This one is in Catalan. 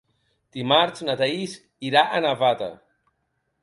Dimarts na Thaís irà a Navata.